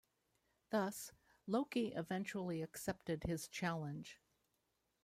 Thus, Loki eventually accepted his challenge.